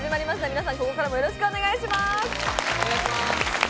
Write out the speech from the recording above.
皆さん、ここからもよろしくお願いします。